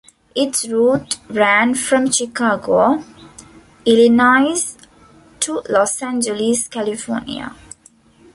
Its route ran from Chicago, Illinois to Los Angeles, California.